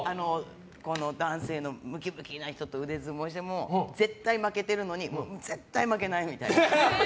男性のムキムキな人と腕相撲しても絶対負けてるのに絶対負けないみたいな。